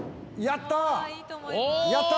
やった！